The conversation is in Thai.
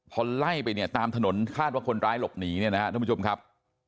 พอไล่ไปเนี่ยตามถนนคาดว่าคนร้ายหลบหนีเนี่ยนะครับท่านผู้ชมครับ